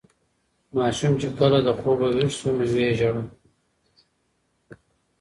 ماشوم چې کله له خوبه ویښ شو نو ویې ژړل.